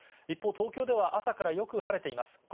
一方、東京では朝からよく晴れています。